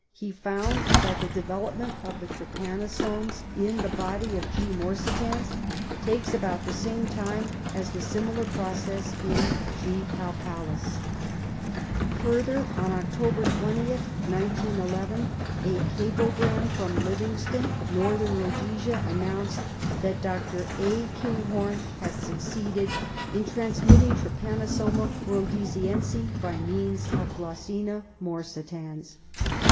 He found that the development of the trypanosomes in the body of G. morsitans takes about the same time as the similar process in G. palpalis. Further, on October 20th, 1911, a cablegram from Living stone, Northern Ehodesia, announced that Dr. A. Kinghorn had succeeded in transmitting Trypanosoma rhodesiense by means of G. morsitans.